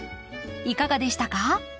いかがでしたか？